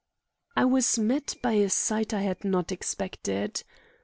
I was met by a sight I had not expected.